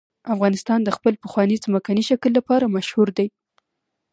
افغانستان د خپل پخواني ځمکني شکل لپاره مشهور دی.